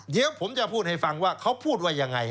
เดี๋ยวผมจะพูดให้ฟังว่าเขาพูดว่ายังไง